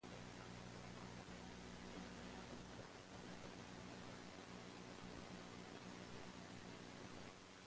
Operationally the regiment was last assigned to the Mechanized Brigade "Pinerolo".